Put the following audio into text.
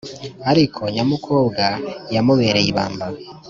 ariko nyamukobwa yamubereye ibamba